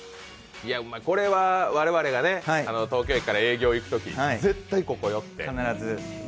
これは我々が東京駅から営業に行くとき絶対ここ寄って。